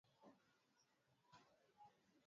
o lijulikanalo kwa jina mont piea